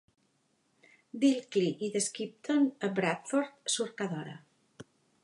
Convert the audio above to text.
D'Ilkley i de Skipton a Bradford surt cada hora.